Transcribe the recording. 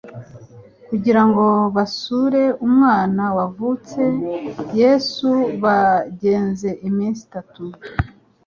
kugirango basure umwana wavutse Yesu bagenze iminsi itatu